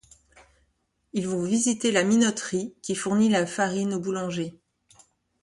Ils vont visiter la minoterie qui fournit la farine au boulanger.